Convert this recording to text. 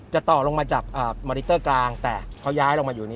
ต่อลงมาจากมอนิเตอร์กลางแต่เขาย้ายลงมาอยู่นี้